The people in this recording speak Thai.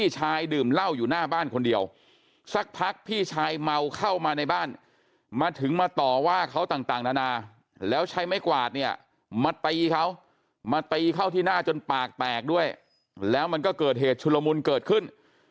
ดื่มเหล้าอยู่หน้าบ้านคนเดียวสักพักพี่ชายเมาเข้ามาในบ้านมาถึงมาต่อว่าเขาต่างนานาแล้วใช้ไม้กวาดเนี่ยมาตีเขามาตีเข้าที่หน้าจนปากแตกด้วยแล้วมันก็เกิดเหตุชุลมุนเกิดขึ้น